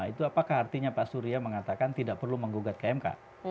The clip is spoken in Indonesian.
itu apakah artinya pak surya mengatakan tidak perlu menggugat ke mk